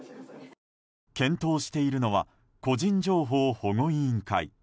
検討しているのは個人情報保護委員会。